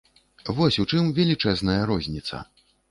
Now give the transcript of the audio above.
Вось у чым велічэзная розніца.